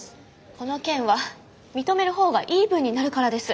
この件は認める方がイーブンになるからです。